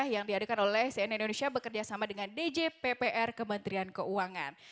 yang diadakan oleh cn indonesia bekerjasama dengan dj ppr kementerian keuangan